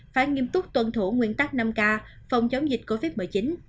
phải nghiêm túc tuân thủ nguyên tắc năm k phòng chống dịch covid một mươi chín